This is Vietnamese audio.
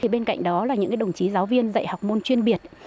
bên cạnh đó là những đồng chí giáo viên dạy học môn chuyên biệt